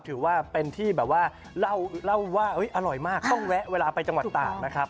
ถือว่าเป็นที่แบบว่าเล่าว่าอร่อยมากต้องแวะเวลาไปจังหวัดตากนะครับ